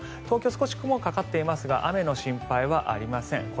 東京、少し雲がかかっていますが雨の心配はありません。